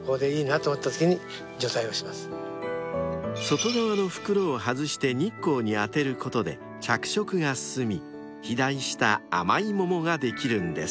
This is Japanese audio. ［外側の袋を外して日光に当てることで着色が進み肥大した甘い桃ができるんです］